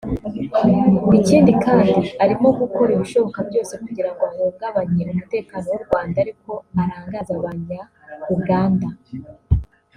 Ikindi kandi arimo gukora ibishoboka byose kugirango ahungabanye umutekano w’u Rwanda ariko arangaza abanyauganda